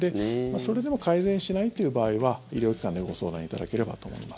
それでも改善しないという場合は医療機関でご相談いただければと思います。